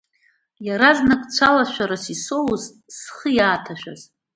Иаразнак цәалашәарас исоуз, схы иааҭашәаз…